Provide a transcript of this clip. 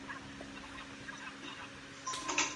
具葶离子芥为十字花科离子芥属下的一个种。